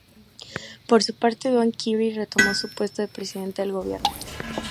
Por su parte, Duan Qirui retomó su puesto de presidente del gobierno.